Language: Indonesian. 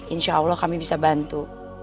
insya allah kami bisa bantu